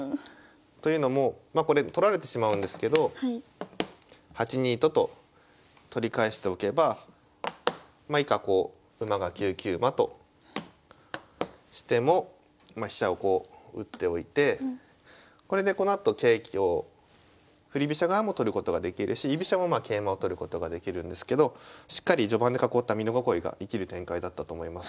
というのもまあこれ取られてしまうんですけど８二と金と取り返しておけばまあ以下こう馬が９九馬としても飛車をこう打っておいてこれでこのあと桂香振り飛車側も取ることができるし居飛車もまあ桂馬を取ることができるんですけどしっかり序盤で囲った美濃囲いが生きる展開だったと思います。